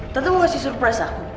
tante mau ngasih surprise aku